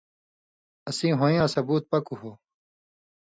اسیں ہویں یاں ثُبوت پَکوۡ ہو۔